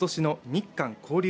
日韓交流